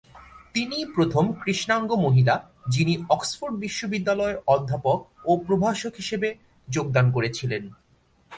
তিনিই প্রথম কৃষ্ণাঙ্গ মহিলা যিনি অক্সফোর্ড বিশ্ববিদ্যালয়ে অধ্যাপক ও প্রভাষক হিসাবে যোগদান করেছিলেন।